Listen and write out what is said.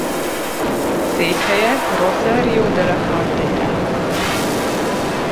Székhelye Rosario de la Frontera.